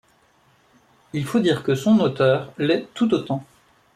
Il faut dire que son auteur l’est tout autant.